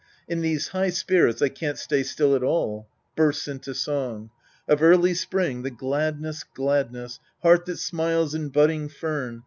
In these high_s^rits, I can't stay still at all. {Bursts into song.) "^'^" Of early spring the gladness, gladness ! Heart that smiles in budding fern